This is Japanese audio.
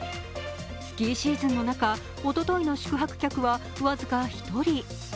スキーシーズンの中、おとといの宿泊客は僅か１人。